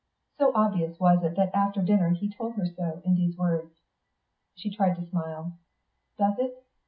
So obvious was it that after dinner he told her so, in those words. She tried to smile. "Does it?